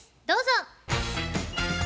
どうぞ。